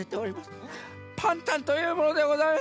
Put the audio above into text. パンタンというものでございます。